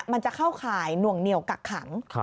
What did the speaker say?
มันจะเข้าข่ายหน่วงเหนียวกักขัง